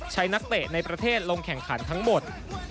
นักเตะในประเทศลงแข่งขันทั้งหมด